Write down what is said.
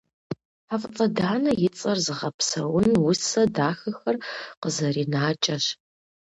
ХьэфӀыцӀэ Данэ и цӀэр зыгъэпсэун усэ дахэхэр къызэринэкӏащ.